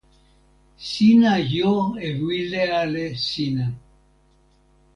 sina jo e wile ale sina!